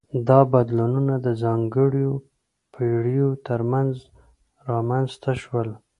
دا بدلونونه د ځانګړو پیړیو ترمنځ رامنځته شول.